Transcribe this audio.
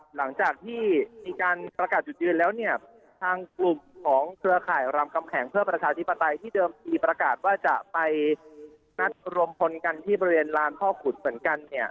หลังจากที่มีการประกาศจุดยืนแล้วเนี่ยทางกลุ่มของเครือข่ายรามคำแหงเพื่อประชาธิปไตยที่เดิมทีประกาศว่าจะไปนัดรวมพลกันที่บริเวณลานพ่อขุนเหมือนกัน